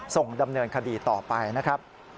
ส่งดำเนินคดีต่อไปนะครับ